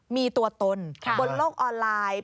มีตัวตนบนโลกออนไลน์